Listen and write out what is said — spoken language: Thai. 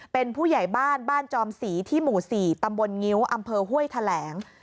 เป็นผู้ใหญ่บ้านบ้านจอมศรีที่หมู่๔ตำบลงิ้วอำเภอห้วยแถลง